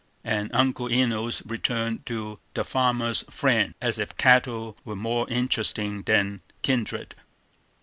And Uncle Enos returned to "The Farmer's Friend," as if cattle were more interesting than kindred.